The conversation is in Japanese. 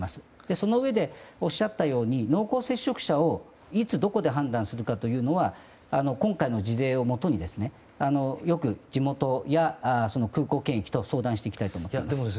そのうえで、おっしゃったように濃厚接触者をいつどこで判断するかというのは今回の事例をもとによく地元や空港検疫等と相談していきたいと思っています。